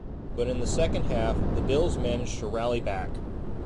But in the second half, the Bills managed to rally back.